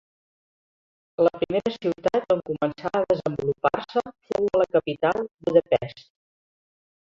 La primera ciutat on començà a desenvolupar-se fou a la capital Budapest.